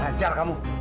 kurang ajar kamu